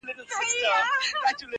• اوس د هغه مولوي ژبه ګونګۍ ده ,